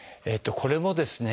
これもですね